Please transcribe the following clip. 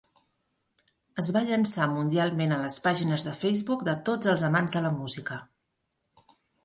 Es va llançar mundialment a les pàgines de Facebook de tots els amants de la música.